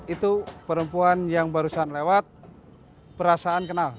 itu perempuan yang barusan lewat perasaan kenal